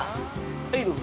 はい、どうぞ。